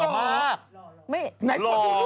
ไม่